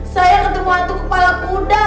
saya ketemu hantu kepala kuda